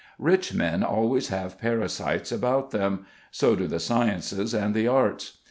Rich men always have parasites about them. So do the sciences and the arts.